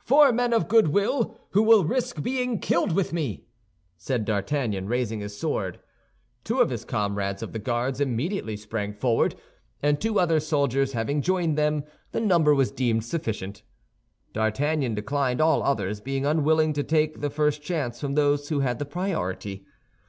"Four men of good will who will risk being killed with me!" said D'Artagnan, raising his sword. Two of his comrades of the Guards immediately sprang forward, and two other soldiers having joined them, the number was deemed sufficient. D'Artagnan declined all others, being unwilling to take the first chance from those who had the priority.